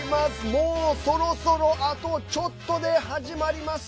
もう、そろそろあとちょっとで始まります。